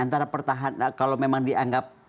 antara pertahanan kalau memang dianggap